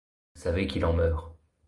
Vous savez qu'il en meurt.